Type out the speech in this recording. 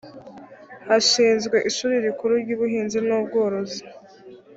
hashinzwe ishuri rikuru ry ‘ubuhinzi n ‘ubworozi